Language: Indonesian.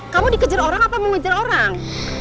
kamu dikejar orang apa mau ngejar orang